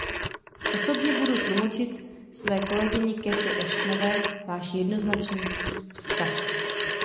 Osobně budu tlumočit své kolegyni Cathy Ashtonové váš jednoznačný vzkaz.